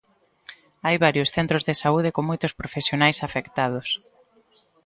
Hai varios centros de saúde con moitos profesionais afectados.